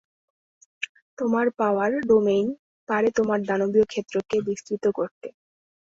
তোমার power, domain, পারে তোমার দানবীয় ক্ষেত্রকে বিস্তৃত করতে।